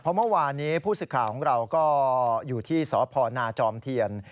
เพราะเมื่อวานนี้ผู้ศึกขาของเราก็อยู่ที่สพนจเทียน